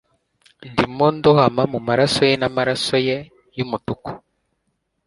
Ndimo ndohama mumaraso ye maraso ye yumutuku